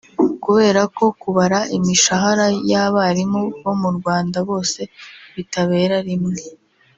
Kubera ko kubara imishahara y’abarimu bo mu Rwanda bose bitabera rimwe